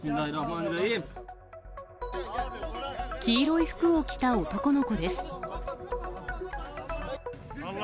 黄色い服を着た男の子です。